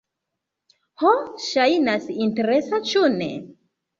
Ho, ŝajnas interesa ĉu ne?